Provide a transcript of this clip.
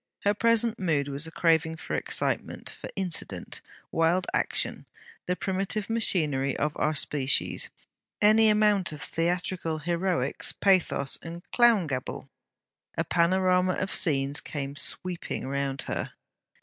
Her present mood was a craving for excitement; for incident, wild action, the primitive machinery of our species; any amount of theatrical heroics, pathos, and clown gabble. A panorama of scenes came sweeping round her.